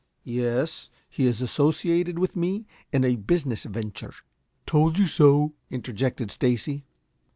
"Yes; he is associated with me in a business venture." "Told you so," interjected Stacy.